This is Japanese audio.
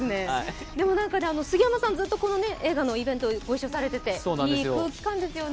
杉山さん、ずっとこの映画のイベントにご一緒されてて、いい空気感ですね。